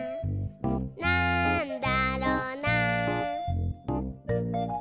「なんだろな？」